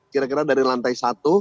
kira kira dari lantai satu